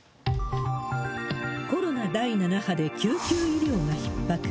コロナ第７波で救急医療がひっ迫。